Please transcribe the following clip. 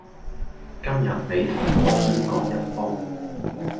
今日你同我天各一方